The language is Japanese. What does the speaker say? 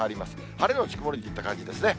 晴れ後曇りといった感じですね。